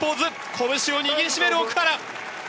拳を握りしめた奥原！